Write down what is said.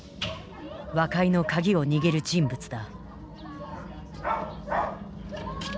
和解の鍵を握る人物だ。